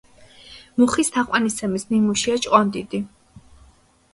მუხის თაყვანისცემის ნიმუშია ჭყონდიდი.